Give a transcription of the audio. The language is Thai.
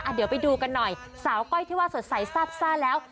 เดี๋ยวไปดูกันหน่อยสาวก้อยที่ว่าสดใสซาบซ่าแล้ว